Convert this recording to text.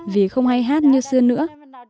vì không hay hát như xưa nữa